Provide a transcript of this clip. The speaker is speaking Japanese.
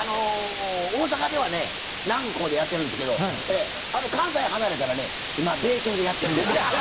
大阪ではね南光でやってるんですけど関西離れたらね今米朝でやってるんですよ。